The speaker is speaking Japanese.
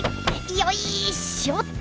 よいしょっと！